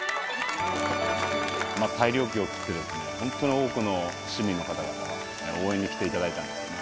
大漁旗を振って、本当に多くの市民の方々が応援に来ていただいたんですね。